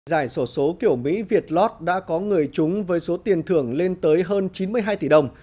giải sổ số kiểu mỹ việt lot đã có người chúng với số tiền thưởng lên tới hơn chín mươi hai tỷ đồng